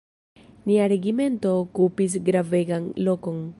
Nia regimento okupis gravegan lokon.